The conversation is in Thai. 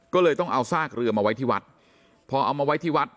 ก็เลยต้องเอาซากเรือมาไว้ที่วัดพอเอามาไว้ที่วัด